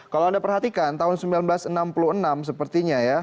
kalau anda perhatikan tahun seribu sembilan ratus enam puluh enam sepertinya ya